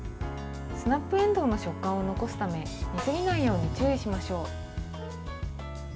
スナップえんどうの食感を残すため煮すぎないように注意しましょう。